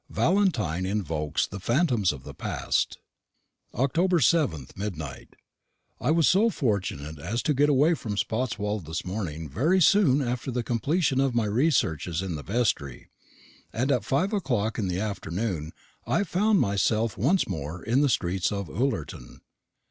VALENTINE INVOKES THE PHANTOMS OF THE PAST. Oct. 7th, Midnight. I was so fortunate as to get away from Spotswold this morning very soon after the completion of my researches in the vestry, and at five o'clock in the afternoon I found myself once more in the streets of Ullerton.